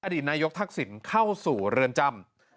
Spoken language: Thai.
ดีตนายกทักษิณเข้าสู่เรือนจำ